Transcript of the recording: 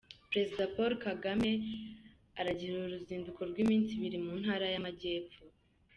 Perezida Paul Kagame aragirira uzinduko rw’iminsi ibiri mu ntara y’Amajyepfo